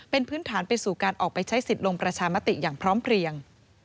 เป็นพื้นฐานไปสู่การออกไปใช้สิทธิ์ลงประชามติอย่างพร้อมเพลียง